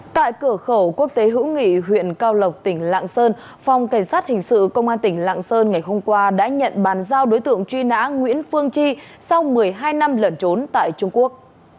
tại cửa khẩu quốc tế hữu nghị huyện cao lộc tỉnh lạng sơn phòng cảnh sát hình sự công an tỉnh lạng sơn ngày hôm qua đã nhận bàn giao đối tượng truy nã nguyễn phương chi sau một mươi hai năm lẩn trốn tại trung quốc